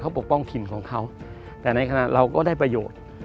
เขาปกป้องถิ่นของเขาแต่ในขณะเราก็ได้ประโยชน์